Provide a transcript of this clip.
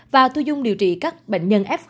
và thu dung điều trị các bệnh nhân f